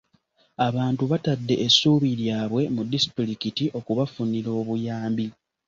Abantu batadde essuubi lyabwe mu disitulikiti okubafunira obuyambi.